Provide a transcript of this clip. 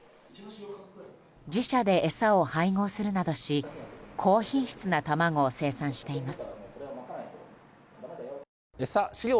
自社で餌を配合するなどし高品質な卵を生産しています。